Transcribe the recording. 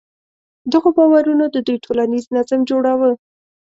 دغو باورونو د دوی ټولنیز نظم جوړاوه.